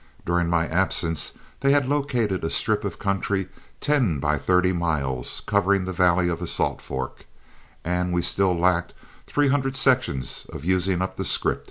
During my absence they had located a strip of country ten by thirty miles, covering the valley of the Salt Fork, and we still lacked three hundred sections of using up the scrip.